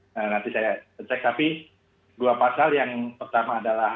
nah nanti saya cek tapi dua pasal yang pertama adalah